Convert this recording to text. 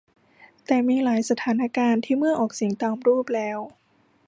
แต่มีหลายสถานการณ์ ที่เมื่อออกเสียงตามรูปแล้ว